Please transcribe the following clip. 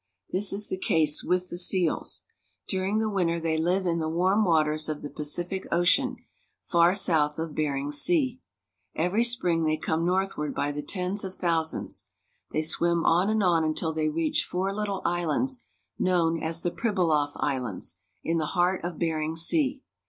This is the case with the seals. During the winter they live in the warm waters of the Pacific Ocean, far south of Bering Sea. Every spring they come northward by the tens of thousands. They swim on and on until they reach four httle islands, known as the Pribilof Islands, in the heart of Bering Sea.